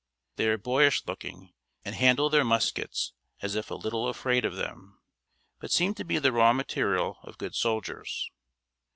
They are boyish looking, and handle their muskets as if a little afraid of them, but seem to be the raw material of good soldiers.